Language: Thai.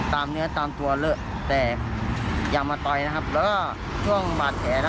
เนื้อตามตัวเลอะแต่อย่ามาต่อยนะครับแล้วก็ช่วงบาดแผลนะ